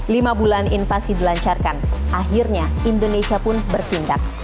lima bulan invasi dilancarkan akhirnya indonesia pun bertindak